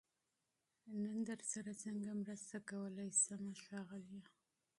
نن درسره سنګه مرسته کولای شم ښاغليه🤗